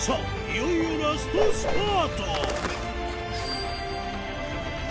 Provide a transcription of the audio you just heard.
いよいよラストスパート